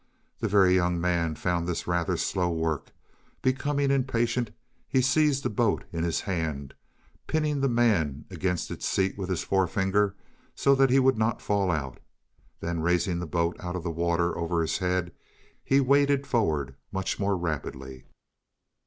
The Very Young Man found this rather slow work; becoming impatient, he seized the boat in his hand, pinning the man against its seat with his forefinger so he would not fall out. Then raising the boat out of the water over his head he waded forward much more rapidly.